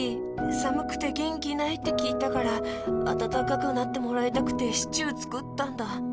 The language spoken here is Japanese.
さむくてげんきないってきいたからあたたかくなってもらいたくてシチューつくったんだ。